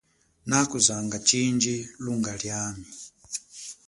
Nakuzanga chindji lunga liami.